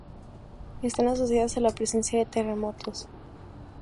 Están asociadas a la presencia de terremotos.